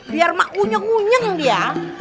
biar mak unyeng unyeng yang dia